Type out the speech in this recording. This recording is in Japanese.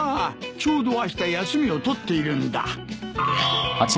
ちょうどあした休みを取っているんだ。